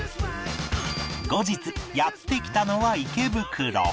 後日やって来たのは池袋